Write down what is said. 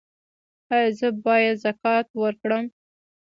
ایا زه باید زکات ورکړم؟